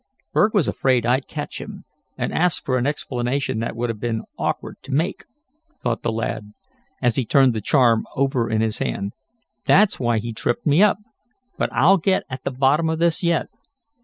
"Berg was afraid I'd catch him, and ask for an explanation that would have been awkward to make," thought the lad, as he turned the charm over in his hand. "That's why he tripped me up. But I'll get at the bottom of this yet.